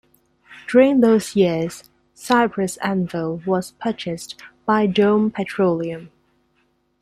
During those years, Cyprus Anvil was purchased by Dome Petroleum.